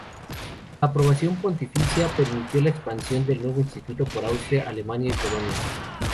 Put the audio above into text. La aprobación pontificia permitió la expansión del nuevo instituto por Austria, Alemania y Polonia.